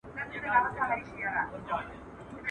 زه د نصیب له فیصلو وم بېخبره روان.